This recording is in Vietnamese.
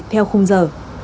theo khung giờ